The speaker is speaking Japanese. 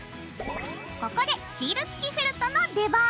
ここでシール付きフェルトの出番。